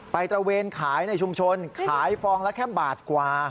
ตระเวนขายในชุมชนขายฟองละแค่บาทกว่า